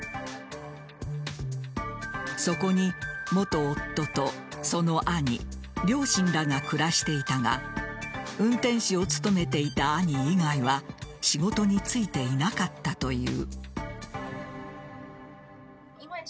そこに元夫とその兄両親らが暮らしていたが運転手を務めていた兄以外は仕事に就いていなかったという。